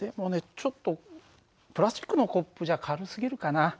ちょっとプラスチックのコップじゃ軽すぎるかな。